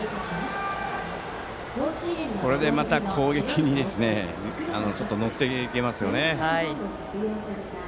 これでまた攻撃に乗っていけますよね。